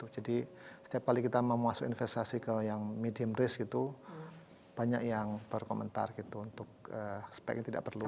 jadi setiap kali kita memuasai investasi ke medium risk itu banyak yang berkomentar untuk speknya tidak perlu